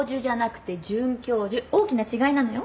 大きな違いなのよ。